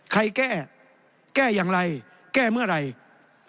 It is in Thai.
แก้แก้อย่างไรแก้เมื่อไหร่